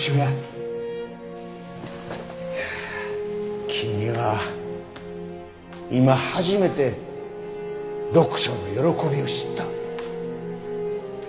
いやあ君は今初めて読書の喜びを知った。